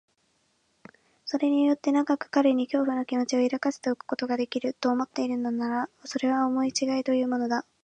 それによって長く彼に恐怖の気持を抱かせておくことができる、と思っているのなら、それは思いちがいというものだ。